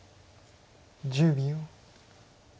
１０秒。